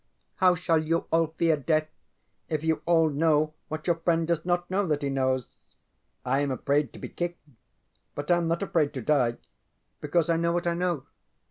How shall you all fear death if you all know what your friend does not know that he knows? I am afraid to be kicked, but I am not afraid to die, because I know what I know.